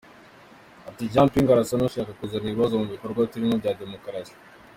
Ati ‘‘Jean Ping arasa n’ushaka kuzana ibibazo mu bikorwa turimo bya demokarasi.